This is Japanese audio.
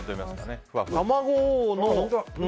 卵の。